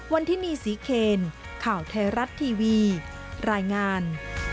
ทินีศรีเคนข่าวไทยรัฐทีวีรายงาน